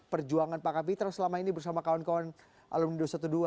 perjuangan pak kapitra selama ini bersama kawan kawan alumni dua ratus dua belas